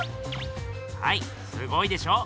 はいすごいでしょう？